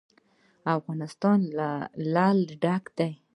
افغانستان له لعل ډک دی.